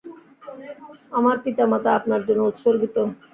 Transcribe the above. আমার পিতামাতা আপনার জন্য উৎসর্গিত।